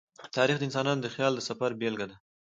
تاریخ د انسان د خیال د سفر بېلګه ده.